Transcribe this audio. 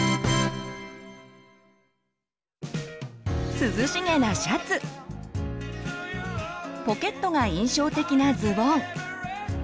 涼しげなシャツポケットが印象的なズボン